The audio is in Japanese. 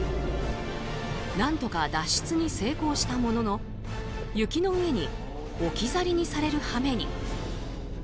何とか脱出に成功したものの雪の上に置き去りにされる羽目に。